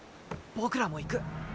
僕らも行く。